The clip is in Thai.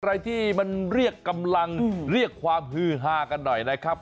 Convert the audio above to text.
อะไรที่มันเรียกกำลังเรียกความฮือฮากันหน่อยนะครับ